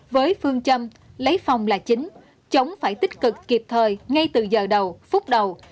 với phương châm lấy phòng là chính chúng phải tích cực kịp thời ngay từ giờ đầu phút đầu